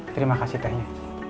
terima kasih tanya